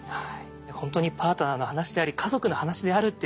本当にパートナーの話であり家族の話であるっていうことがね